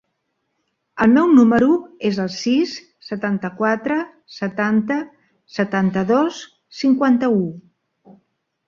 El meu número es el sis, setanta-quatre, setanta, setanta-dos, cinquanta-u.